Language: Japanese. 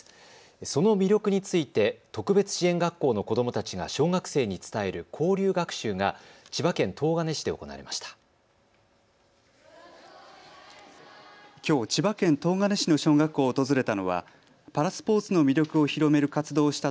その魅力について特別支援学校の子どもたちが小学生に伝える交流学習が千葉県東金市で行われました。